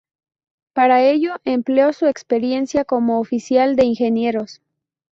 Para ello empleó su experiencia como oficial de ingenieros.